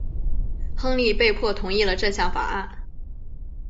亨利被迫同意了这项法案。